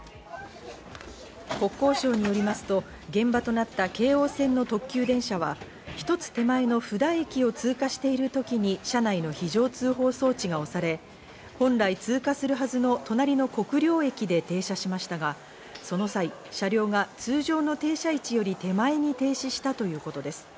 国交省によりますと現場となった京王線の特急電車は、１つ手前の布田駅を通過している時に車内の非常通報装置が押され、本来通過するはずの隣の国領駅で停車しましたが、その際、車両が通常の停車位置より手前に停止したということです。